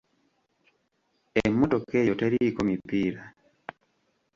Emmotoka eyo teriiko mipiira.